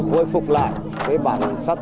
khôi phục lại cái bản sắc